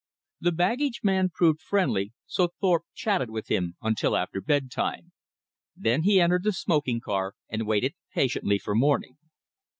The baggage man proved friendly, so Thorpe chatted with him until after bedtime. Then he entered the smoking car and waited patiently for morning.